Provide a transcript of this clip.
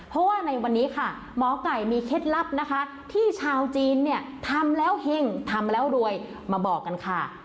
เพราะว่าในวันนี้ค่ะหมอไก่มีเคล็ดลับนะคะที่ชาวจีนเนี่ยทำแล้วเห็งทำแล้วรวยมาบอกกันค่ะ